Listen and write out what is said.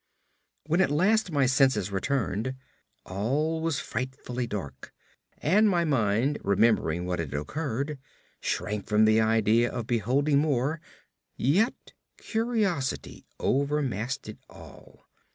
When at last my senses returned, all was frightfully dark, and my mind remembering what had occurred, shrank from the idea of beholding more; yet curiosity overmastered all.